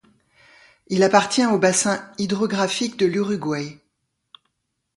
Il appartient au bassin hydrographique de l'Uruguay.